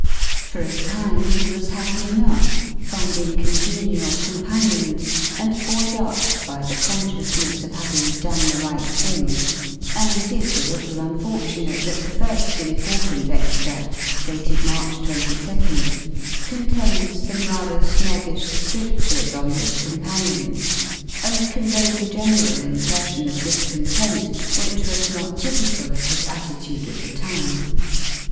For a time he was happy enoughyfinding congenial companions and buoyed up by the consciousness of having done the right thingy and it is a little unfortunate that the fir SI important extrady dated March 22nd y contains some rather snobbish Slridures on his companions y and conveys a general impression of discontent which was not typical of his attitude at the time.